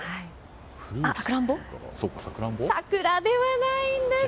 桜ではないんです。